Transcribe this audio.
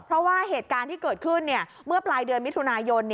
เพราะว่าเหตุการณ์ที่เกิดขึ้นเมื่อปลายเดือนมิถุนายน